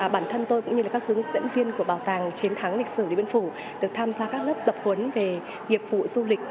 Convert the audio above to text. bản thân tôi cũng như các hướng dẫn viên của bảo tàng chiến thắng lịch sử điện biên phủ được tham gia các lớp tập huấn về nghiệp vụ du lịch